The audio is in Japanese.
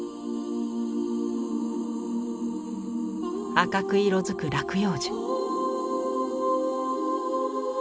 赤く色づく落葉樹。